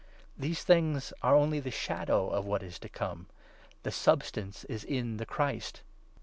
These things are only the shadow of what is to 17 come ; the substance is in the Christ.